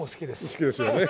好きですよね。